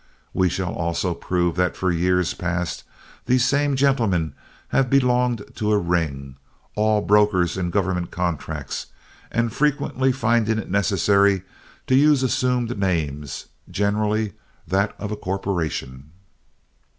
We shall also prove that for years past these same gentlemen have belonged to a ring, all brokers in government contracts, and frequently finding it necessary to use assumed names, generally that of a corporation."